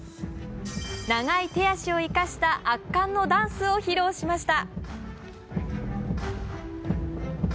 長い手足を生かした圧巻のダンスを披露しました。